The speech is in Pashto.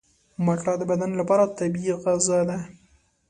مالټه د بدن لپاره طبیعي غذا ده.